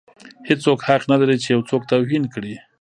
هیڅوک حق نه لري چې یو څوک توهین کړي.